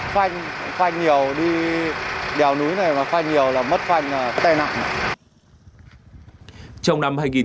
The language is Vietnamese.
khoanh nhiều đi đèo núi này khoanh nhiều là mất khoanh tai nạn